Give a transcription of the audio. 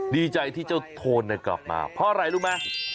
ดีใจที่เจ้าโทนกลับมาเพราะอะไรรู้ไหม